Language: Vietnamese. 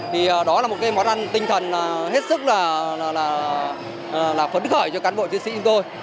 thì đó là một cái món ăn tinh thần hết sức là phấn khởi cho cán bộ chiến sĩ chúng tôi